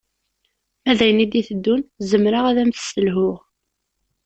Ma d ayen i d-iteddun zemreɣ ad am-tesselhuɣ